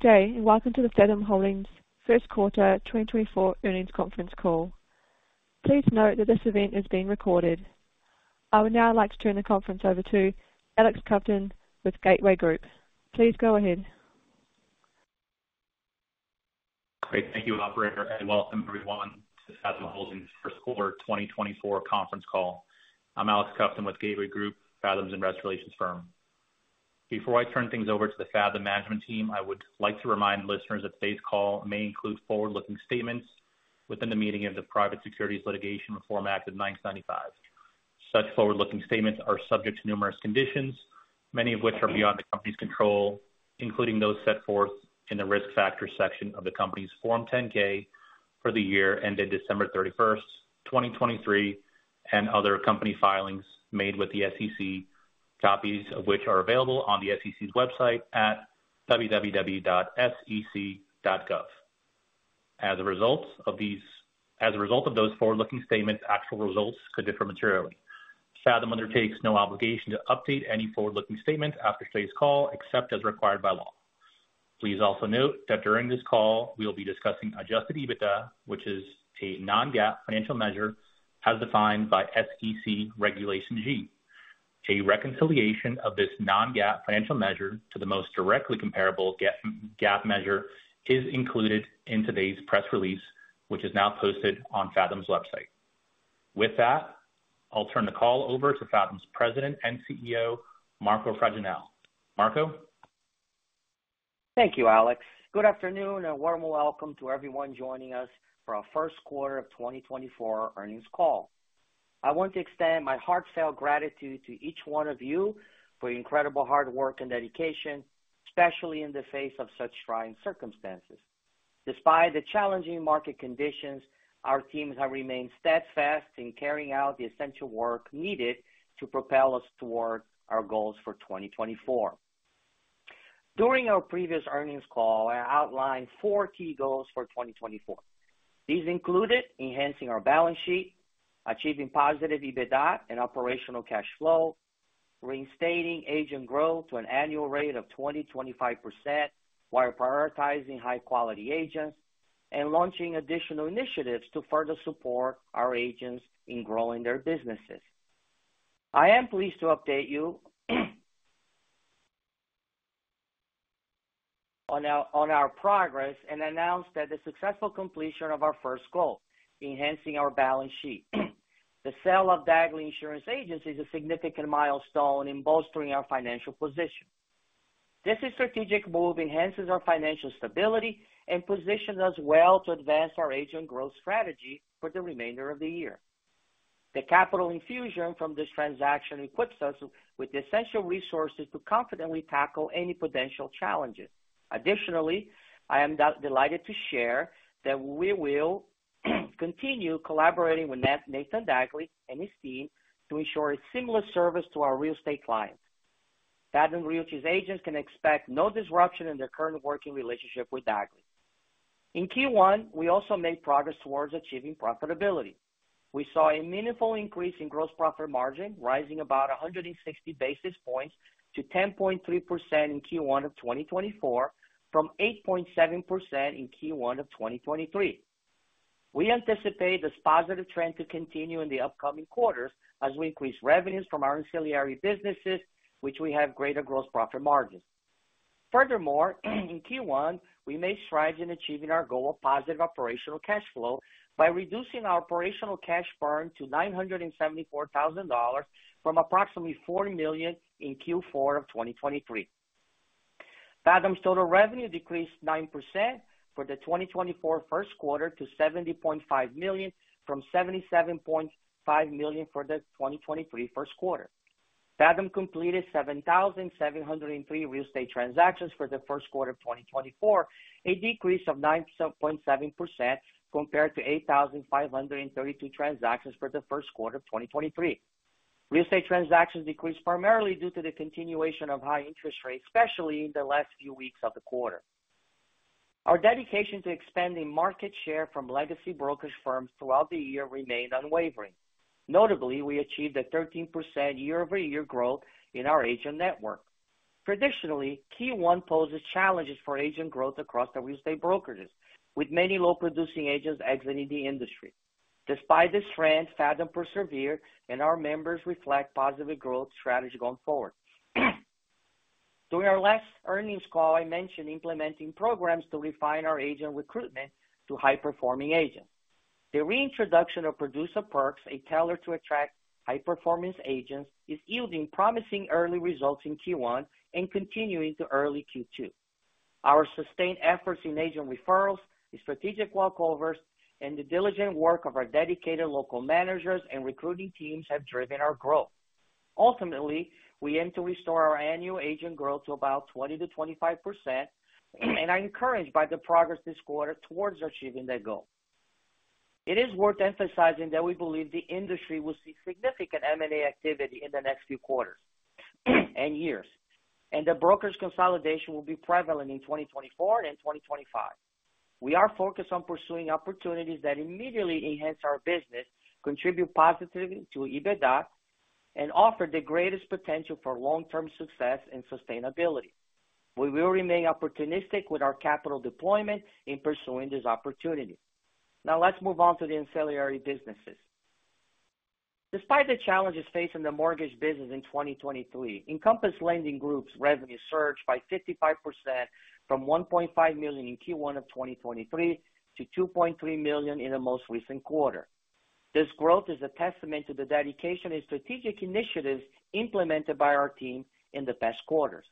Good day and welcome to the Fathom Holdings First Quarter 2024 Earnings Conference Call. Please note that this event is being recorded. I would now like to turn the conference over to Alex Kovtun with Gateway Group. Please go ahead. Great. Thank you, Operator, and welcome, everyone, to the Fathom Holdings First Quarter 2024 Conference Call. I'm Alex Kovtun with Gateway Group, Fathom's investor relations firm. Before I turn things over to the Fathom management team, I would like to remind listeners that today's call may include forward-looking statements within the meaning of the Private Securities Litigation Reform Act of 1995. Such forward-looking statements are subject to numerous conditions, many of which are beyond the company's control, including those set forth in the Risk Factors section of the company's Form 10-K for the year ended December 31st, 2023, and other company filings made with the SEC, copies of which are available on the SEC's website at www.sec.gov. As a result of those forward-looking statements, actual results could differ materially. Fathom undertakes no obligation to update any forward-looking statements after today's call, except as required by law. Please also note that during this call, we will be discussing Adjusted EBITDA, which is a non-GAAP financial measure as defined by SEC Regulation G. A reconciliation of this non-GAAP financial measure to the most directly comparable GAAP measure is included in today's press release, which is now posted on Fathom's website. With that, I'll turn the call over to Fathom's President and CEO, Marco Fregenal. Marco? Thank you, Alex. Good afternoon and a warm welcome to everyone joining us for our first quarter of 2024 earnings call. I want to extend my heartfelt gratitude to each one of you for your incredible hard work and dedication, especially in the face of such trying circumstances. Despite the challenging market conditions, our teams have remained steadfast in carrying out the essential work needed to propel us toward our goals for 2024. During our previous earnings call, I outlined four key goals for 2024. These included enhancing our balance sheet, achieving positive EBITDA and operational cash flow, reinstating agent growth to an annual rate of 20%-25% while prioritizing high-quality agents, and launching additional initiatives to further support our agents in growing their businesses. I am pleased to update you on our progress and announce that the successful completion of our first goal, enhancing our balance sheet. The sale of Dagley Insurance Agency is a significant milestone in bolstering our financial position. This strategic move enhances our financial stability and positions us well to advance our agent growth strategy for the remainder of the year. The capital infusion from this transaction equips us with the essential resources to confidently tackle any potential challenges. Additionally, I am delighted to share that we will continue collaborating with Nathan Dagley and his team to ensure a seamless service to our real estate clients. Fathom Realty's agents can expect no disruption in their current working relationship with Dagley. In Q1, we also made progress towards achieving profitability. We saw a meaningful increase in gross profit margin, rising about 160 basis points to 10.3% in Q1 of 2024 from 8.7% in Q1 of 2023. We anticipate this positive trend to continue in the upcoming quarters as we increase revenues from our ancillary businesses, which we have greater gross profit margins. Furthermore, in Q1, we made strides in achieving our goal of positive operational cash flow by reducing our operational cash burn to $974,000 from approximately $4 million in Q4 of 2023. Fathom's total revenue decreased 9% for the 2024 first quarter to $70.5 million from $77.5 million for the 2023 first quarter. Fathom completed 7,703 real estate transactions for the first quarter of 2024, a decrease of 9.7% compared to 8,532 transactions for the first quarter of 2023. Real estate transactions decreased primarily due to the continuation of high interest rates, especially in the last few weeks of the quarter. Our dedication to expanding market share from legacy brokerage firms throughout the year remained unwavering. Notably, we achieved a 13% year-over-year growth in our agent network. Traditionally, Q1 poses challenges for agent growth across the real estate brokerages, with many low-producing agents exiting the industry. Despite this trend, Fathom persevered, and our members reflect positive growth strategy going forward. During our last earnings call, I mentioned implementing programs to refine our agent recruitment to high-performing agents. The reintroduction of Producer Perks, a tailored to attract high-performance agents, is yielding promising early results in Q1 and continuing to early Q2. Our sustained efforts in agent referrals, strategic walkovers, and the diligent work of our dedicated local managers and recruiting teams have driven our growth. Ultimately, we aim to restore our annual agent growth to about 20%-25%, and I'm encouraged by the progress this quarter towards achieving that goal. It is worth emphasizing that we believe the industry will see significant M&A activity in the next few quarters and years, and that brokerage consolidation will be prevalent in 2024 and 2025. We are focused on pursuing opportunities that immediately enhance our business, contribute positively to EBITDA, and offer the greatest potential for long-term success and sustainability. We will remain opportunistic with our capital deployment in pursuing this opportunity. Now, let's move on to the ancillary businesses. Despite the challenges faced in the mortgage business in 2023, Encompass Lending Group's revenue surged by 55% from $1.5 million in Q1 of 2023 to $2.3 million in the most recent quarter. This growth is a testament to the dedication and strategic initiatives implemented by our team in the past quarters.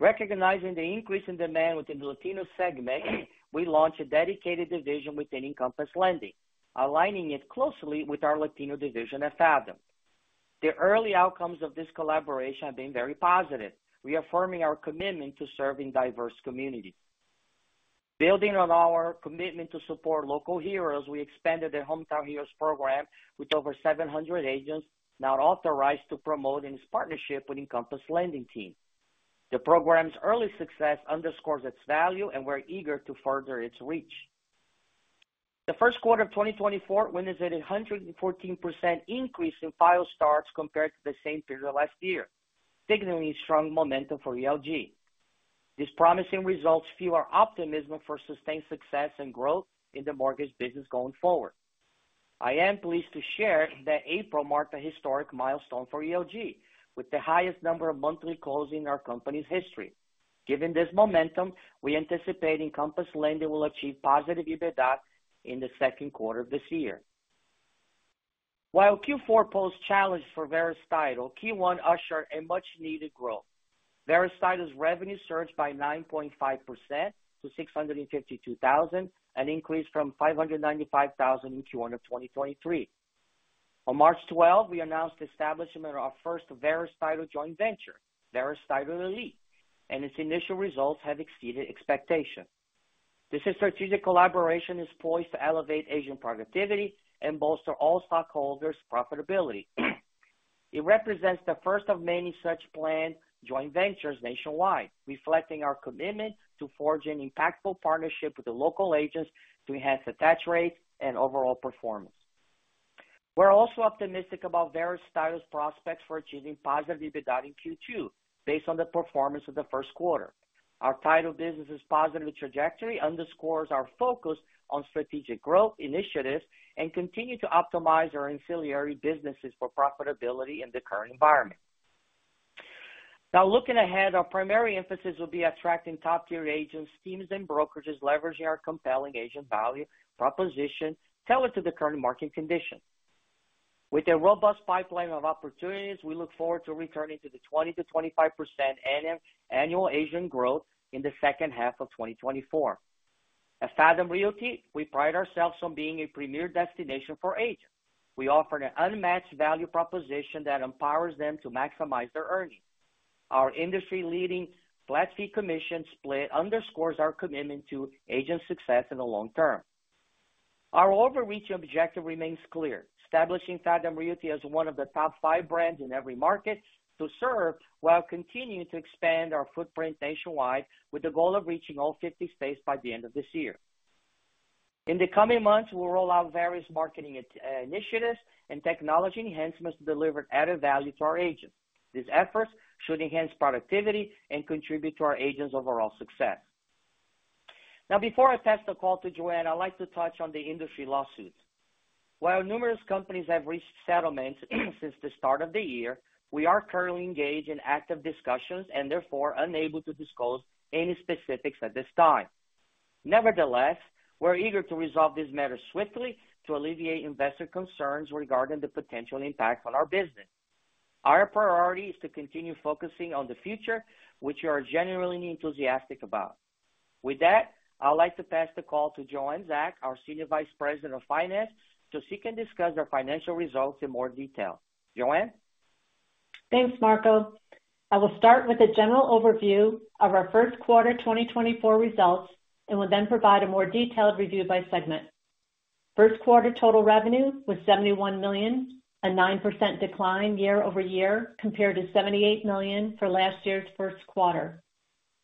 Recognizing the increase in demand within the Latino segment, we launched a dedicated division within Encompass Lending, aligning it closely with our Latino Division at Fathom. The early outcomes of this collaboration have been very positive, reaffirming our commitment to serving diverse communities. Building on our commitment to support local heroes, we expanded the Hometown Heroes program with over 700 agents now authorized to promote in this partnership with Encompass Lending Team. The program's early success underscores its value, and we're eager to further its reach. The first quarter of 2024 witnessed a 114% increase in file starts compared to the same period last year, signaling strong momentum for ELG. These promising results fuel our optimism for sustained success and growth in the mortgage business going forward. I am pleased to share that April marked a historic milestone for ELG, with the highest number of monthly closes in our company's history. Given this momentum, we anticipate Encompass Lending will achieve positive EBITDA in the second quarter of this year. While Q4 posed challenges for Verus Title, Q1 ushered in much-needed growth. Verus Title's revenue surged by 9.5% to $652,000, an increase from $595,000 in Q1 of 2023. On March 12, we announced the establishment of our first Verus Title joint venture, Verus Title Elite, and its initial results have exceeded expectations. This strategic collaboration is poised to elevate agent productivity and bolster all stockholders' profitability. It represents the first of many such planned joint ventures nationwide, reflecting our commitment to forging impactful partnerships with the local agents to enhance attach rates and overall performance. We're also optimistic about Verus Title's prospects for achieving positive EBITDA in Q2 based on the performance of the first quarter. Our title business's positive trajectory underscores our focus on strategic growth initiatives and continuing to optimize our ancillary businesses for profitability in the current environment. Now, looking ahead, our primary emphasis will be attracting top-tier agents, teams, and brokerages leveraging our compelling agent value proposition, tailored to the current market conditions. With a robust pipeline of opportunities, we look forward to returning to the 20%-25% annual agent growth in the second half of 2024. At Fathom Realty, we pride ourselves on being a premier destination for agents. We offer an unmatched value proposition that empowers them to maximize their earnings. Our industry-leading flat-fee commission split underscores our commitment to agent success in the long term. Our overarching objective remains clear: establishing Fathom Realty as one of the top five brands in every market to serve while continuing to expand our footprint nationwide with the goal of reaching all 50 states by the end of this year. In the coming months, we'll roll out various marketing initiatives and technology enhancements to deliver added value to our agents. These efforts should enhance productivity and contribute to our agents' overall success. Now, before I pass the call to Joanne, I'd like to touch on the industry lawsuits. While numerous companies have reached settlements since the start of the year, we are currently engaged in active discussions and, therefore, unable to disclose any specifics at this time. Nevertheless, we're eager to resolve this matter swiftly to alleviate investor concerns regarding the potential impact on our business. Our priority is to continue focusing on the future, which we are genuinely enthusiastic about. With that, I'd like to pass the call to Joanne Zach, our Senior Vice President of Finance, to seek and discuss our financial results in more detail. Joanne? Thanks, Marco. I will start with a general overview of our first quarter 2024 results and will then provide a more detailed review by segment. First quarter total revenue was $71 million, a 9% decline year-over-year compared to $78 million for last year's first quarter.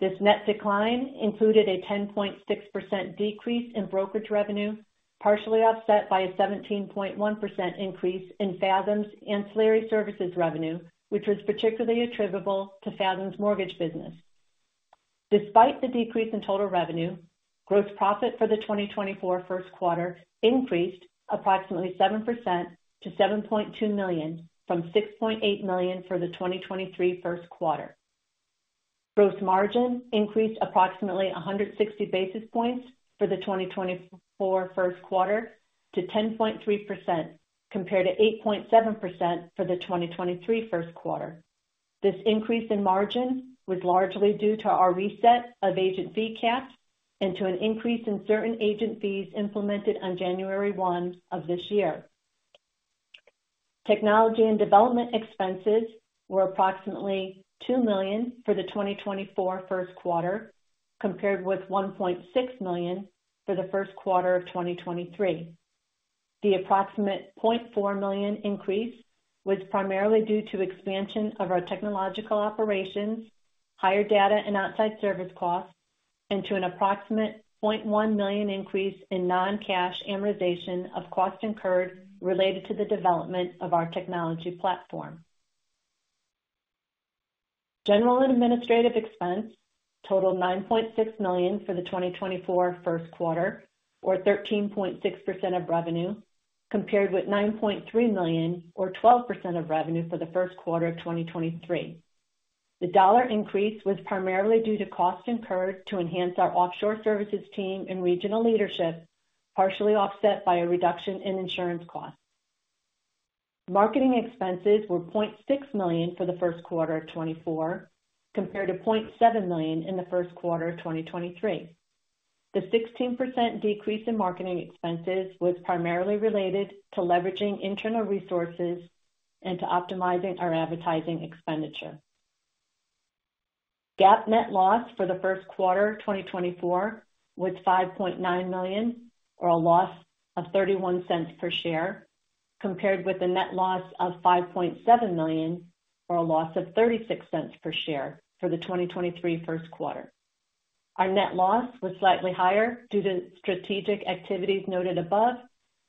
This net decline included a 10.6% decrease in brokerage revenue, partially offset by a 17.1% increase in Fathom's ancillary services revenue, which was particularly attributable to Fathom's mortgage business. Despite the decrease in total revenue, gross profit for the 2024 first quarter increased approximately 7% to $7.2 million from $6.8 million for the 2023 first quarter. Gross margin increased approximately 160 basis points for the 2024 first quarter to 10.3% compared to 8.7% for the 2023 first quarter. This increase in margin was largely due to our reset of agent fee caps and to an increase in certain agent fees implemented on January 1 of this year. Technology and development expenses were approximately $2 million for the 2024 first quarter compared with $1.6 million for the first quarter of 2023. The approximate $0.4 million increase was primarily due to expansion of our technological operations, higher data and outside service costs, and to an approximate $0.1 million increase in non-cash amortization of costs incurred related to the development of our technology platform. General and administrative expense totaled $9.6 million for the 2024 first quarter, or 13.6% of revenue, compared with $9.3 million or 12% of revenue for the first quarter of 2023. The dollar increase was primarily due to costs incurred to enhance our offshore services team and regional leadership, partially offset by a reduction in insurance costs. Marketing expenses were $0.6 million for the first quarter of 2024 compared to $0.7 million in the first quarter of 2023. The 16% decrease in marketing expenses was primarily related to leveraging internal resources and to optimizing our advertising expenditure. GAAP net loss for the first quarter 2024 was $5.9 million, or a loss of $0.31 per share, compared with a net loss of $5.7 million, or a loss of $0.36 per share for the 2023 first quarter. Our net loss was slightly higher due to strategic activities noted above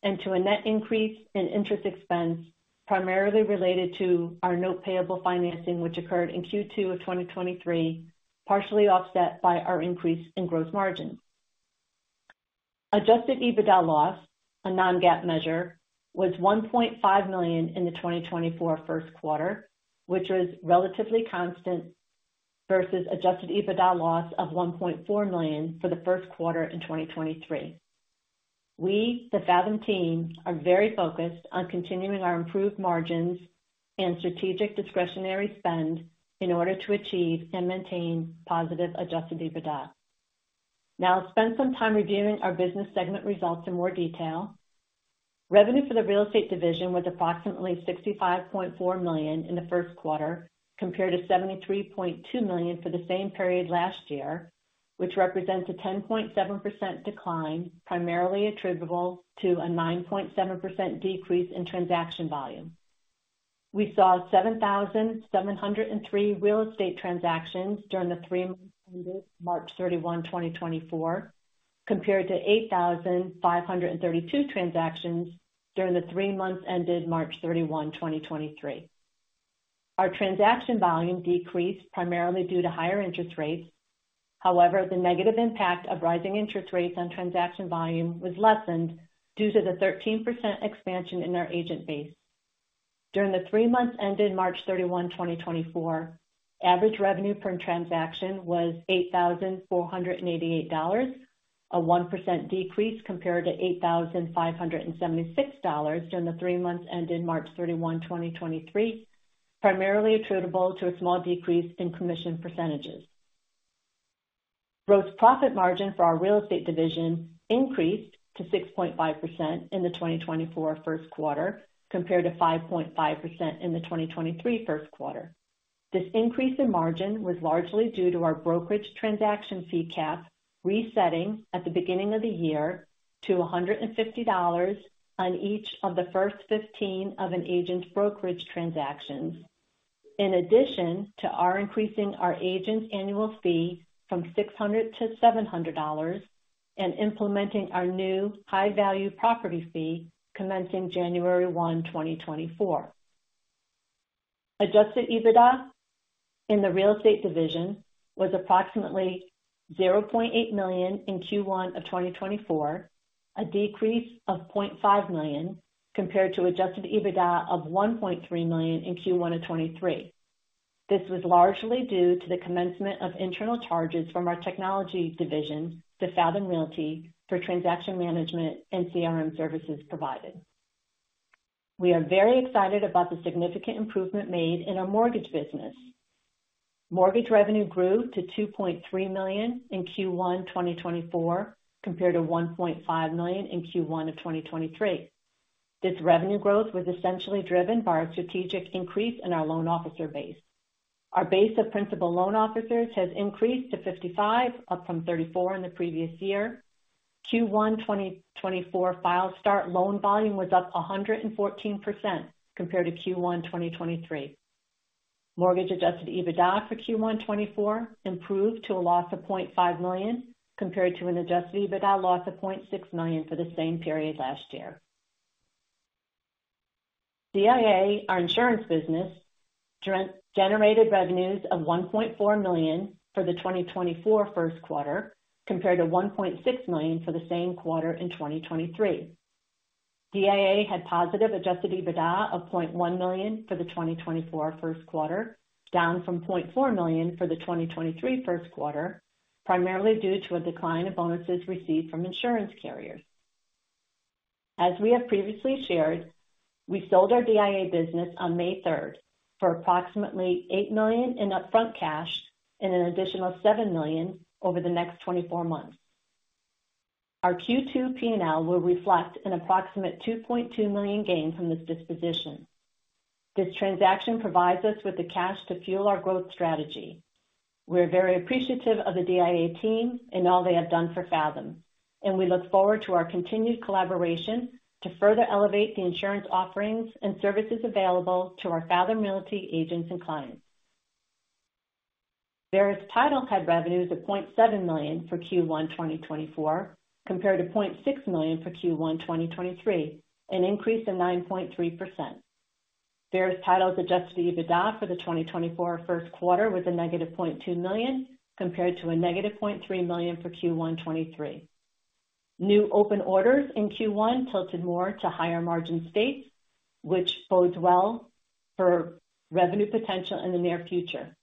and to a net increase in interest expense primarily related to our note-payable financing, which occurred in Q2 of 2023, partially offset by our increase in gross margin. Adjusted EBITDA loss, a non-GAAP measure, was $1.5 million in the 2024 first quarter, which was relatively constant versus adjusted EBITDA loss of $1.4 million for the first quarter in 2023. We, the Fathom team, are very focused on continuing our improved margins and strategic discretionary spend in order to achieve and maintain positive adjusted EBITDA. Now, I'll spend some time reviewing our business segment results in more detail. Revenue for the real estate division was approximately $65.4 million in the first quarter compared to $73.2 million for the same period last year, which represents a 10.7% decline, primarily attributable to a 9.7% decrease in transaction volume. We saw 7,703 real estate transactions during the three months ended March 31, 2024, compared to 8,532 transactions during the three months ended March 31, 2023. Our transaction volume decreased primarily due to higher interest rates. However, the negative impact of rising interest rates on transaction volume was lessened due to the 13% expansion in our agent base. During the three months ended March 31, 2024, average revenue per transaction was $8,488, a 1% decrease compared to $8,576 during the three months ended March 31, 2023, primarily attributable to a small decrease in commission percentages. Gross profit margin for our real estate division increased to 6.5% in the 2024 first quarter compared to 5.5% in the 2023 first quarter. This increase in margin was largely due to our brokerage transaction fee cap resetting at the beginning of the year to $150 on each of the first 15 of an agent's brokerage transactions, in addition to increasing our agent's annual fee from $600 to $700 and implementing our new high-value property fee commencing January 1, 2024. Adjusted EBITDA in the real estate division was approximately $0.8 million in Q1 of 2024, a decrease of $0.5 million compared to adjusted EBITDA of $1.3 million in Q1 of 2023. This was largely due to the commencement of internal charges from our technology division to Fathom Realty for transaction management and CRM services provided. We are very excited about the significant improvement made in our mortgage business. Mortgage revenue grew to $2.3 million in Q1 2024 compared to $1.5 million in Q1 of 2023. This revenue growth was essentially driven by our strategic increase in our loan officer base. Our base of principal loan officers has increased to 55, up from 34 in the previous year. Q1 2024 file start loan volume was up 114% compared to Q1 2023. Mortgage adjusted EBITDA for Q1 2024 improved to a loss of $0.5 million compared to an adjusted EBITDA loss of $0.6 million for the same period last year. DIA, our insurance business, generated revenues of $1.4 million for the 2024 first quarter compared to $1.6 million for the same quarter in 2023. DIA had positive adjusted EBITDA of $0.1 million for the 2024 first quarter, down from $0.4 million for the 2023 first quarter, primarily due to a decline in bonuses received from insurance carriers. As we have previously shared, we sold our DIA business on May 3rd for approximately $8 million in upfront cash and an additional $7 million over the next 24 months. Our Q2 P&L will reflect an approximate $2.2 million gain from this disposition. This transaction provides us with the cash to fuel our growth strategy. We're very appreciative of the DIA team and all they have done for Fathom, and we look forward to our continued collaboration to further elevate the insurance offerings and services available to our Fathom Realty agents and clients. Title had revenues of $0.7 million for Q1 2024 compared to $0.6 million for Q1 2023, an increase of 9.3%. Verus Title's Adjusted EBITDA for the 2024 first quarter was a negative $0.2 million compared to a negative $0.3 million for Q1 2023. New open orders in Q1 tilted more to higher margin states, which bodes well for revenue potential in the near future.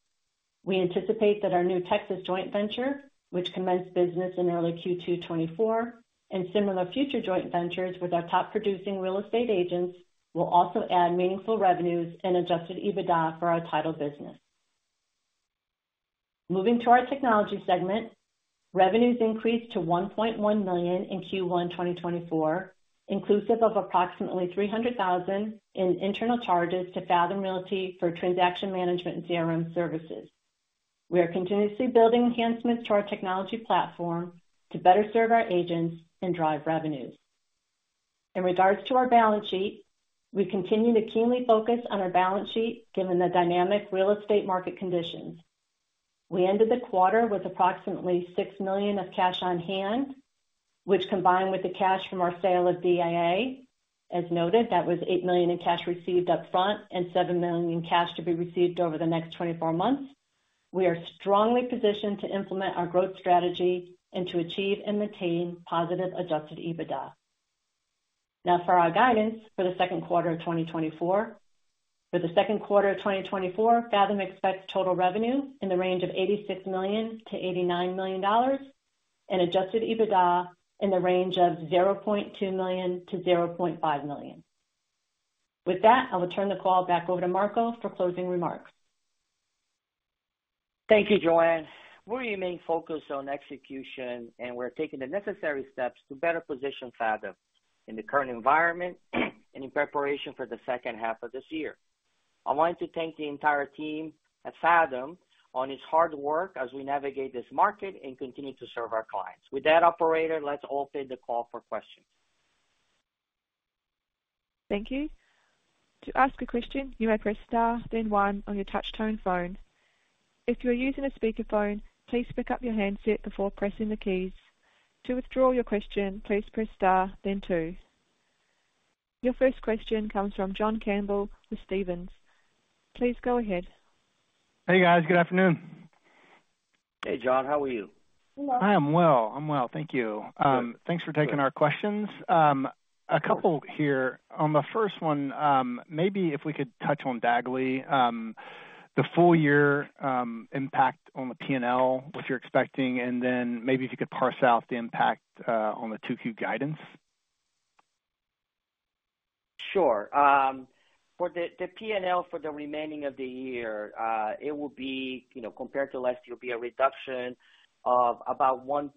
We anticipate that our new Texas joint venture, which commenced business in early Q2 2024, and similar future joint ventures with our top-producing real estate agents will also add meaningful revenues and Adjusted EBITDA for our title business. Moving to our technology segment, revenues increased to $1.1 million in Q1 2024, inclusive of approximately $300,000 in internal charges to Fathom Realty for transaction management and CRM services. We are continuously building enhancements to our technology platform to better serve our agents and drive revenues. In regards to our balance sheet, we continue to keenly focus on our balance sheet given the dynamic real estate market conditions. We ended the quarter with approximately $6 million of cash on hand, which, combined with the cash from our sale of DIA as noted, that was $8 million in cash received upfront and $7 million in cash to be received over the next 24 months. We are strongly positioned to implement our growth strategy and to achieve and maintain positive Adjusted EBITDA. Now, for our guidance for the second quarter of 2024, for the second quarter of 2024, Fathom expects total revenue in the range of $86 million-$89 million and adjusted EBITDA in the range of $0.2 million-$0.5 million. With that, I will turn the call back over to Marco for closing remarks. Thank you, Joanne. We're remaining focused on execution, and we're taking the necessary steps to better position Fathom in the current environment and in preparation for the second half of this year. I wanted to thank the entire team at Fathom on its hard work as we navigate this market and continue to serve our clients. With that, operator, let's open the call for questions. Thank you. To ask a question, you may press star, then one, on your touch-tone phone. If you are using a speakerphone, please pick up your handset before pressing the keys. To withdraw your question, please press star, then two. Your first question comes from John Campbell with Stephens. Please go ahead. Hey, guys. Good afternoon. Hey, John. How are you? Hello. I am well. I'm well. Thank you. Thanks for taking our questions. A couple here. On the first one, maybe if we could touch on Dagley, the full-year impact on the P&L, what you're expecting, and then maybe if you could parse out the impact on the 2Q guidance. Sure. For the P&L for the remaining of the year, it will be compared to last year, it will be a reduction of about $1.3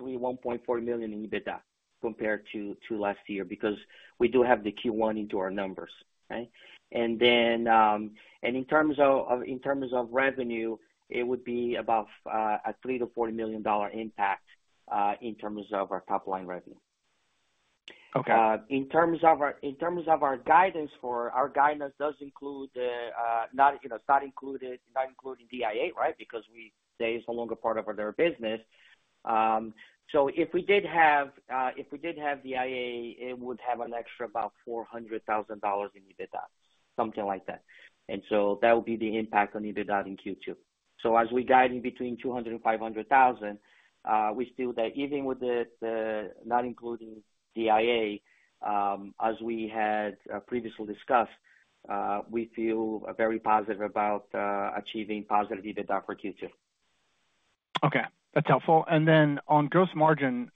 million-$1.4 million in EBITDA compared to last year because we do have the Q1 into our numbers, right? And in terms of revenue, it would be about a $3 million-$4 million impact in terms of our top-line revenue. In terms of our guidance, our guidance does include not including DIA, right, because they are no longer part of their business. So if we did have DIA, it would have an extra about $400,000 in EBITDA, something like that. And so that would be the impact on EBITDA in Q2. So as we're guiding between $200,000 and $500,000, we feel that even with the not including DIA, as we had previously discussed, we feel very positive about achieving positive EBITDA for Q2. Okay. That's helpful. And then on gross margin,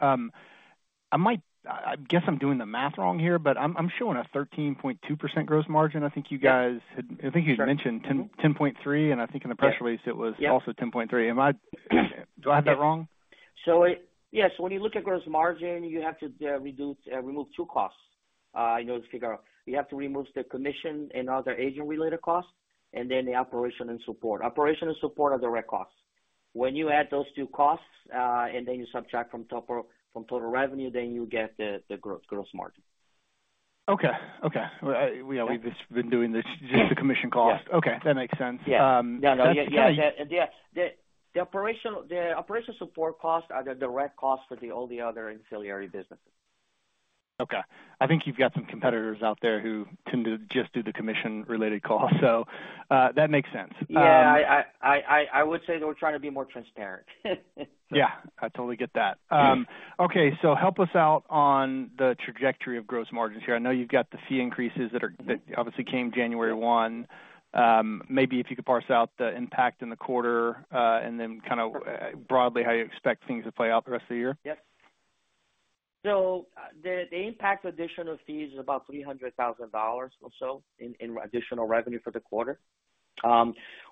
I guess I'm doing the math wrong here, but I'm showing a 13.2% gross margin. I think you guys had mentioned 10.3%, and I think in the press release, it was also 10.3%. Do I have that wrong? Yes. So when you look at gross margin, you have to remove two costs in order to figure out. You have to remove the commission and other agent-related costs and then the operation and support. Operation and support are direct costs. When you add those two costs and then you subtract from total revenue, then you get the gross margin. Okay. Okay. Yeah, we've just been doing just the commission cost. Okay. That makes sense. Yeah. No, no. Yeah. Yeah. The operational support costs are the direct costs for all the other ancillary businesses. Okay. I think you've got some competitors out there who tend to just do the commission-related costs, so that makes sense. Yeah. I would say they were trying to be more transparent. Yeah. I totally get that. Okay. So help us out on the trajectory of gross margins here. I know you've got the fee increases that obviously came January 1. Maybe if you could parse out the impact in the quarter and then kind of broadly how you expect things to play out the rest of the year. Yep. So the impact of additional fees is about $300,000 or so in additional revenue for the quarter.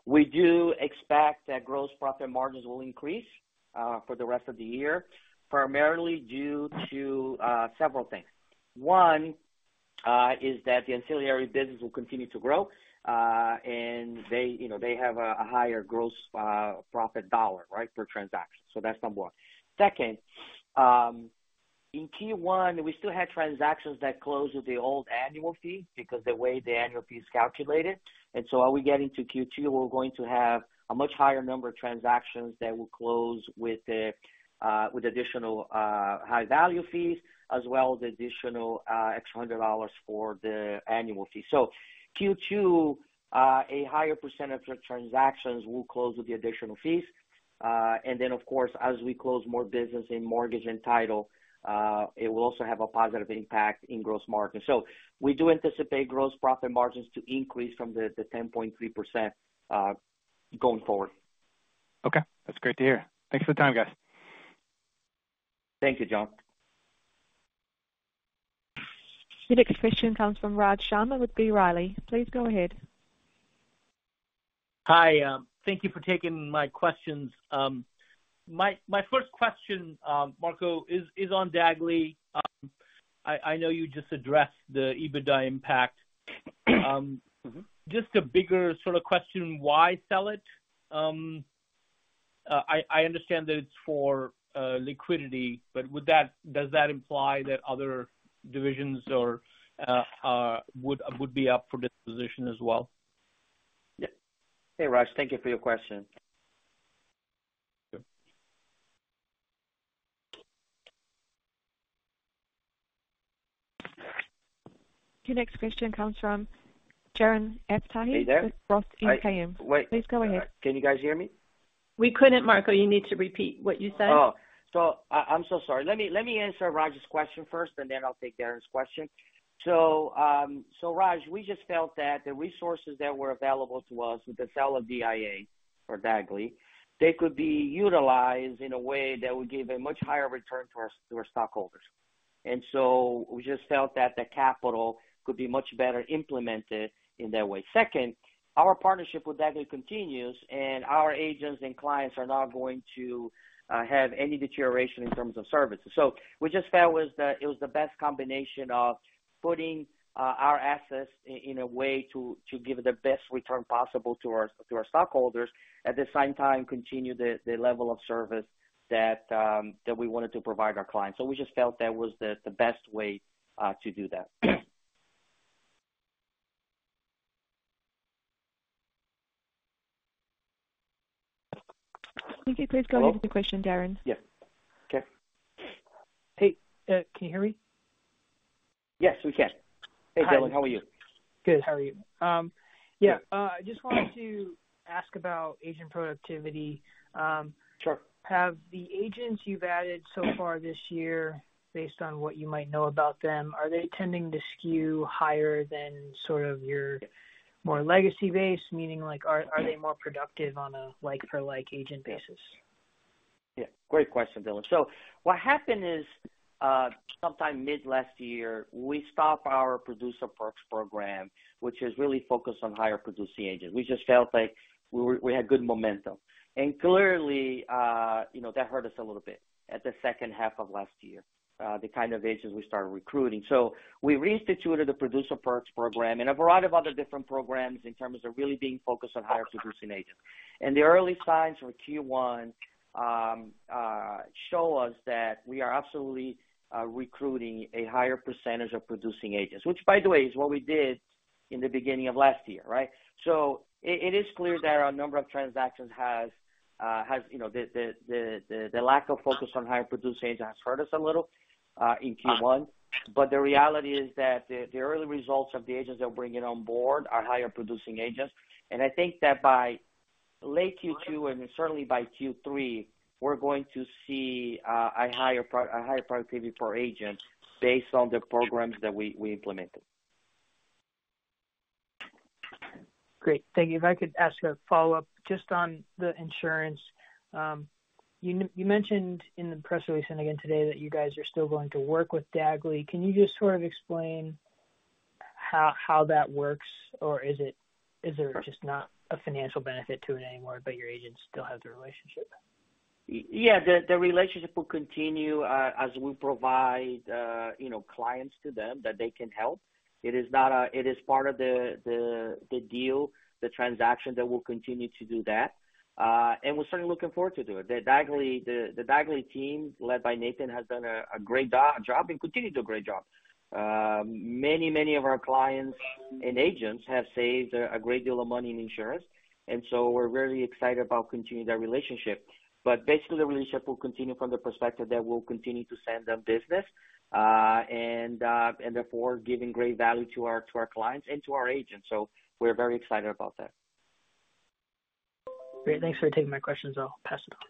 We do expect that gross profit margins will increase for the rest of the year, primarily due to several things. One is that the ancillary business will continue to grow, and they have a higher gross profit dollar, right, per transaction. So that's number one. Second, in Q1, we still had transactions that closed with the old annual fee because the way the annual fee is calculated. And so are we getting to Q2, we're going to have a much higher number of transactions that will close with additional high-value fees as well as the additional extra $100 for the annual fee. So Q2, a higher percentage of transactions will close with the additional fees. And then, of course, as we close more business in mortgage and title, it will also have a positive impact in gross margins. So we do anticipate gross profit margins to increase from the 10.3% going forward. Okay. That's great to hear. Thanks for the time, guys. Thank you, John. The next question comes from Raj Sharma with B. Riley. Please go ahead. Hi. Thank you for taking my questions. My first question, Marco, is on Dagley. I know you just addressed the EBITDA impact. Just a bigger sort of question, why sell it? I understand that it's for liquidity, but does that imply that other divisions would be up for disposition as well? Yep. Hey, Raj. Thank you for your question. The next question comes from Darren Aftahi with Roth MKM. Please go ahead. Can you guys hear me? We couldn't, Marco. You need to repeat what you said. Oh. So I'm so sorry. Let me answer Raj's question first, and then I'll take Darren's question. So, Raj, we just felt that the resources that were available to us with the sale of DIA for Dagley, they could be utilized in a way that would give a much higher return to our stockholders. And so we just felt that the capital could be much better implemented in that way. Second, our partnership with Dagley continues, and our agents and clients are not going to have any deterioration in terms of services. So we just felt it was the best combination of putting our assets in a way to give the best return possible to our stockholders, at the same time, continue the level of service that we wanted to provide our clients. So we just felt that was the best way to do that. Thank you. Please go ahead with your question, Darren. Yes. Okay. Hey. Can you hear me? Yes, we can. Hey, Darren. How are you? Good. How are you? Yeah. I just wanted to ask about agent productivity. Have the agents you've added so far this year, based on what you might know about them, are they tending to skew higher than sort of your more legacy-based, meaning are they more productive on a like-for-like agent basis? Yeah. Great question, Darren. So what happened is sometime mid-last year, we stopped our Producer Perks program, which is really focused on higher-producing agents. We just felt like we had good momentum. And clearly, that hurt us a little bit at the second half of last year, the kind of agents we started recruiting. So we reinstituted the Producer Perks program and a variety of other different programs in terms of really being focused on higher-producing agents. And the early signs for Q1 show us that we are absolutely recruiting a higher percentage of producing agents, which, by the way, is what we did in the beginning of last year, right? So it is clear that our number of transactions has the lack of focus on higher-producing agents has hurt us a little in Q1. But the reality is that the early results of the agents that we're bringing on board are higher-producing agents. And I think that by late Q2 and certainly by Q3, we're going to see a higher productivity for agents based on the programs that we implemented. Great. Thank you. If I could ask a follow-up just on the insurance. You mentioned in the press release and again today that you guys are still going to work with Dagley. Can you just sort of explain how that works, or is there just not a financial benefit to it anymore, but your agents still have the relationship? Yeah. The relationship will continue as we provide clients to them that they can help. It is part of the deal, the transaction that will continue to do that. And we're certainly looking forward to doing it. The Dagley team led by Nathan has done a great job and continued to do a great job. Many, many of our clients and agents have saved a great deal of money in insurance. And so we're really excited about continuing that relationship. But basically, the relationship will continue from the perspective that we'll continue to send them business and therefore giving great value to our clients and to our agents. So we're very excited about that. Great. Thanks for taking my questions. I'll pass it on.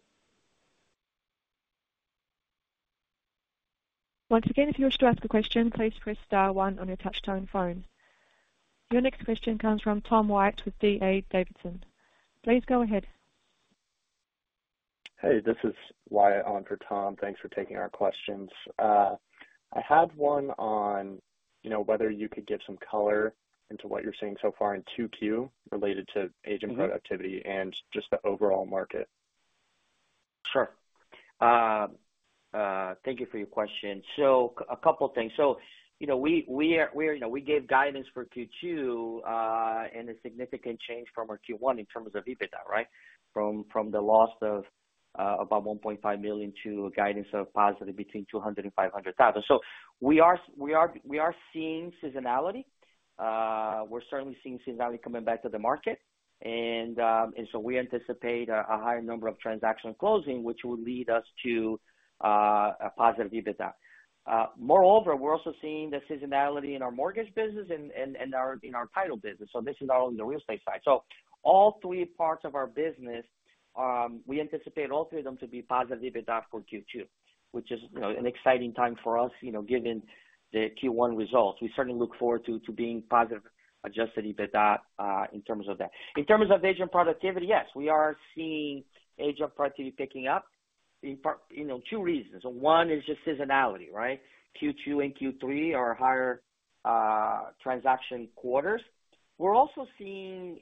Once again, if you wish to ask a question, please press star one on your touch-tone phone. Your next question comes from Tom White with DA Davidson. Please go ahead. Hey. This is Wyatt on for Tom. Thanks for taking our questions. I had one on whether you could give some color into what you're seeing so far in 2Q related to agent productivity and just the overall market. Sure. Thank you for your question. So a couple of things. So we gave guidance for Q2 and a significant change from our Q1 in terms of EBITDA, right, from the loss of about $1.5 million to a guidance of positive between $200,000 and $500,000. So we are seeing seasonality. We're certainly seeing seasonality coming back to the market. And so we anticipate a higher number of transactions closing, which will lead us to a positive EBITDA. Moreover, we're also seeing the seasonality in our mortgage business and in our title business. So this is not only the real estate side. So all three parts of our business, we anticipate all three of them to be positive EBITDA for Q2, which is an exciting time for us given the Q1 results. We certainly look forward to being positive adjusted EBITDA in terms of that. In terms of agent productivity, yes, we are seeing agent productivity picking up in two reasons. One is just seasonality, right? Q2 and Q3 are higher transaction quarters. We're also seeing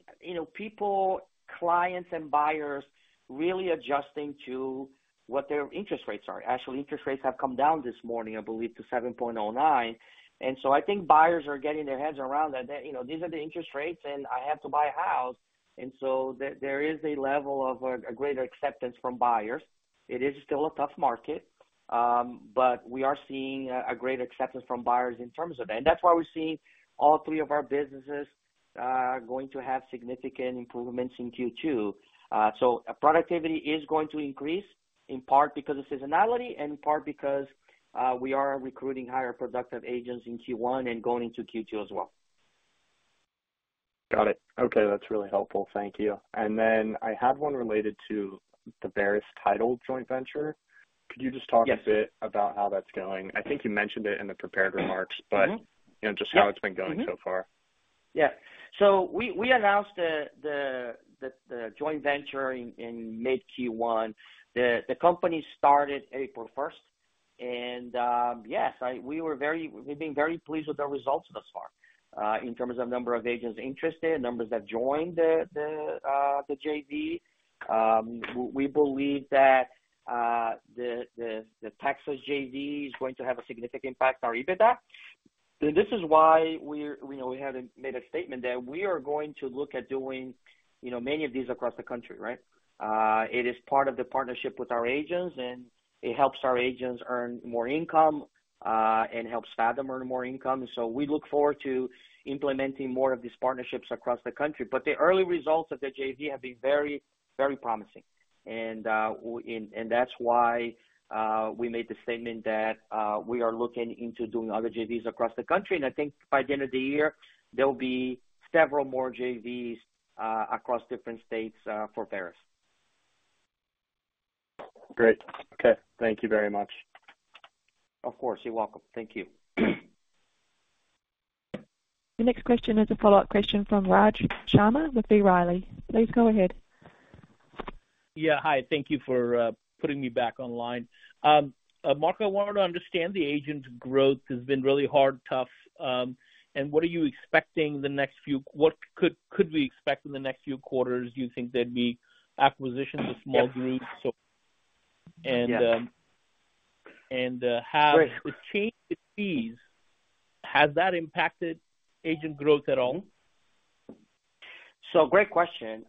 people, clients, and buyers really adjusting to what their interest rates are. Actually, interest rates have come down this morning, I believe, to 7.09%. And so I think buyers are getting their heads around that these are the interest rates, and I have to buy a house. And so there is a level of greater acceptance from buyers. It is still a tough market, but we are seeing a greater acceptance from buyers in terms of that. And that's why we're seeing all three of our businesses going to have significant improvements in Q2. Productivity is going to increase in part because of seasonality and in part because we are recruiting higher productive agents in Q1 and going into Q2 as well. Got it. Okay. That's really helpful. Thank you. And then I had one related to the Verus Title joint venture. Could you just talk a bit about how that's going? I think you mentioned it in the prepared remarks, but just how it's been going so far. Yeah. We announced the joint venture in mid-Q1. The company started April 1st. Yes, we've been very pleased with the results thus far in terms of number of agents interested, numbers that joined the JV. We believe that the Texas JV is going to have a significant impact on our EBITDA. This is why we had made a statement that we are going to look at doing many of these across the country, right? It is part of the partnership with our agents, and it helps our agents earn more income and helps Fathom earn more income. So we look forward to implementing more of these partnerships across the country. But the early results of the JV have been very, very promising. That's why we made the statement that we are looking into doing other JVs across the country. I think by the end of the year, there will be several more JVs across different states for Verus. Great. Okay. Thank you very much. Of course. You're welcome. Thank you. The next question is a follow-up question from Raj Sharma with B. Riley. Please go ahead. Yeah. Hi. Thank you for putting me back online. Marco, I wanted to understand the agent's growth has been really hard, tough. And what are you expecting the next few? What could we expect in the next few quarters? Do you think there'd be acquisitions of small groups? And has the change in fees impacted agent growth at all? So great question.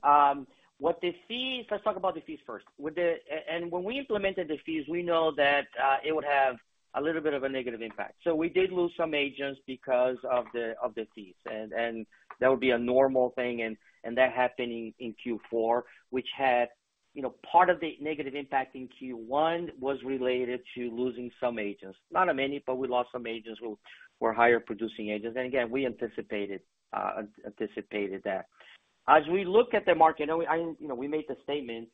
Let's talk about the fees first. And when we implemented the fees, we know that it would have a little bit of a negative impact. So we did lose some agents because of the fees. And that would be a normal thing. And that happened in Q4, which had part of the negative impact in Q1. That was related to losing some agents. Not many, but we lost some agents who were higher-producing agents. And again, we anticipated that. As we look at the market, and we made the statement,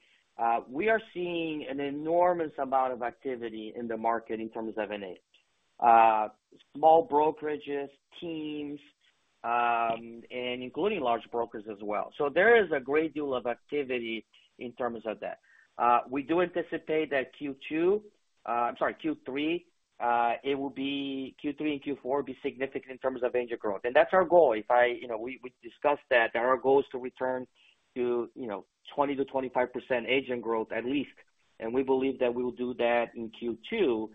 we are seeing an enormous amount of activity in the market in terms of M&A, small brokerages, teams, and including large brokers as well. So there is a great deal of activity in terms of that. We do anticipate that Q2. I'm sorry, Q3. It will be Q3 and Q4 will be significant in terms of agent growth. That's our goal. We discussed that. Our goal is to return to 20%-25% agent growth at least. We believe that we will do that in Q2.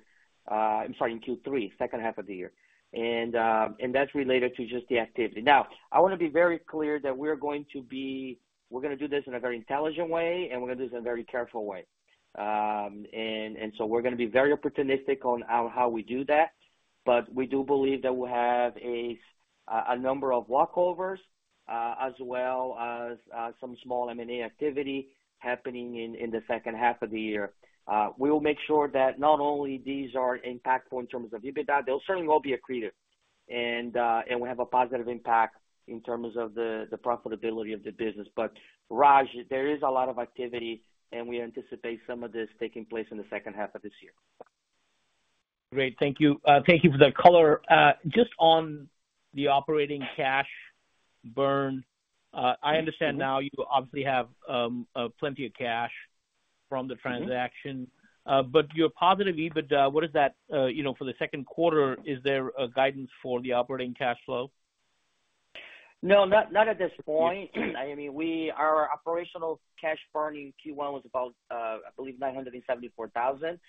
I'm sorry, in Q3, second half of the year. That's related to just the activity. Now, I want to be very clear that we're going to do this in a very intelligent way, and we're going to do this in a very careful way. So we're going to be very opportunistic on how we do that. But we do believe that we'll have a number of walkovers as well as some small M&A activity happening in the second half of the year. We will make sure that not only these are impactful in terms of EBITDA, they'll certainly all be accretive. We have a positive impact in terms of the profitability of the business. But, Raj, there is a lot of activity, and we anticipate some of this taking place in the second half of this year. Great. Thank you. Thank you for the color. Just on the operating cash burn, I understand now you obviously have plenty of cash from the transaction. But your positive EBITDA, what is that for the second quarter? Is there guidance for the operating cash flow? No, not at this point. I mean, our operational cash burn in Q1 was about, I believe, $974,000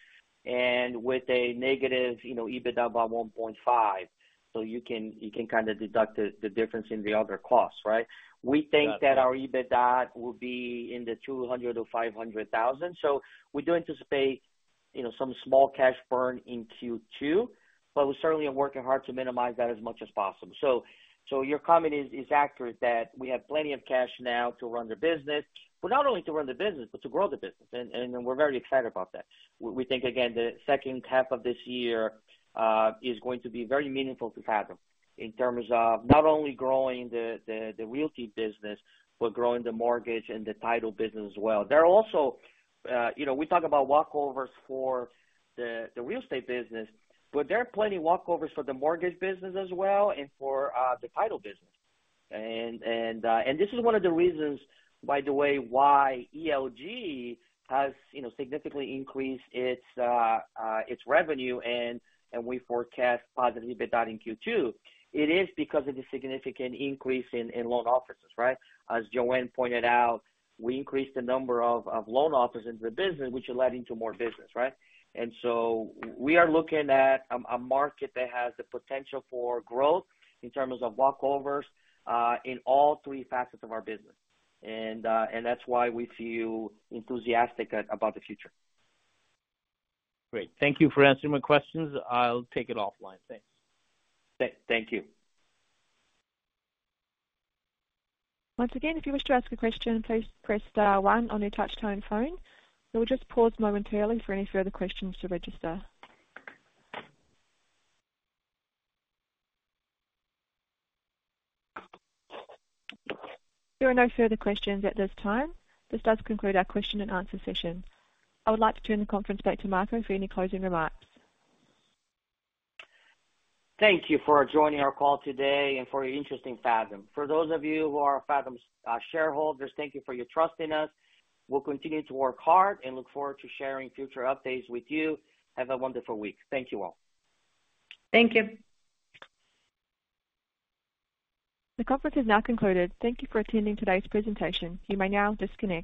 and with a negative EBITDA about $1.5 million. So you can kind of deduct the difference in the other costs, right? We think that our EBITDA will be in the $200,000-$500,000. So we do anticipate some small cash burn in Q2, but we're certainly working hard to minimize that as much as possible. So your comment is accurate that we have plenty of cash now to run the business, but not only to run the business, but to grow the business. And we're very excited about that. We think, again, the second half of this year is going to be very meaningful to Fathom in terms of not only growing the realty business, but growing the mortgage and the title business as well. There are also, we talk about walkovers for the real estate business, but there are plenty of walkovers for the mortgage business as well and for the title business. This is one of the reasons, by the way, why ELG has significantly increased its revenue and we forecast positive EBITDA in Q2. It is because of the significant increase in loan offices, right? As Joanne pointed out, we increased the number of loan offices in the business, which led into more business, right? So we are looking at a market that has the potential for growth in terms of walkovers in all three facets of our business. That's why we feel enthusiastic about the future. Great. Thank you for answering my questions. I'll take it offline. Thanks. Thank you. Once again, if you wish to ask a question, please press star one on your touch-tone phone. We will just pause momentarily for any further questions to register. There are no further questions at this time. This does conclude our question-and-answer session. I would like to turn the conference back to Marco for any closing remarks. Thank you for joining our call today and for your interest in Fathom. For those of you who are Fathom's shareholders, thank you for your trust in us. We'll continue to work hard and look forward to sharing future updates with you. Have a wonderful week. Thank you all. Thank you. The conference is now concluded. Thank you for attending today's presentation. You may now disconnect.